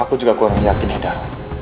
aku juga kurang yakin ada